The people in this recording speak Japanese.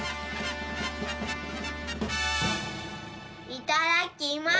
いただきます。